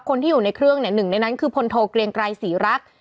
คนที่อยู่ในเครื่องเนี่ยหนึ่งในนั้นคือพลโทเกลียงไกรศรีรัก